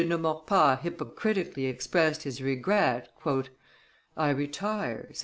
de Maurepas hypocritically expressed his regret, "I retire," said M.